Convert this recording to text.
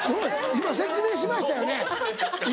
今説明しましたよね。